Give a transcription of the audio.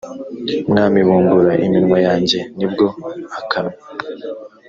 mwami bumbura iminwa yanjye ni bwo akanwa